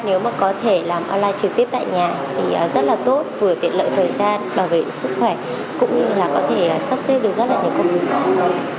nếu mà có thể làm online trực tiếp tại nhà thì rất là tốt vừa tiện lợi thời gian bảo vệ sức khỏe cũng như là có thể sắp xếp được rất là nhiều